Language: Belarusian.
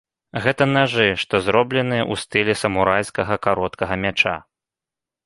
Гэта нажы, што зробленыя ў стылі самурайскага кароткага мяча.